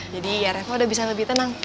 jadi ya reva udah bisa lebih tenang